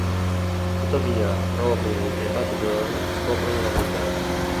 Tuttavia Robin e Batgirl scoprono la verità.